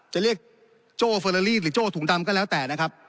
จะเรียกโจ้เฟอลาลี่หรือโจ้ถุงดำก็แล้วแต่นะครับ